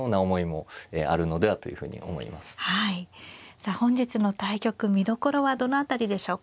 さあ本日の対局見どころはどの辺りでしょうか。